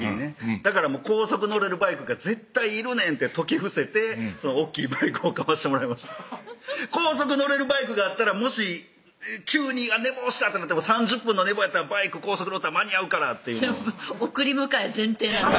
「だから高速乗れるバイクが絶対いるねん」って説き伏せて大っきいバイクを買わしてもらいました「高速乗れるバイクがあったらもし急に寝坊したってなっても３０分の寝坊やバイク高速乗ったら間に合うから」っていうのを送り迎え前提なんだ